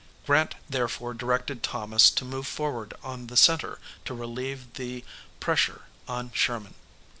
Grant therefore directed Thomas to move forward on the centre to relieve the pressure on Sherman.